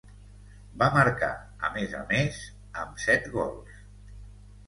Va marcar, a més a més amb set gols.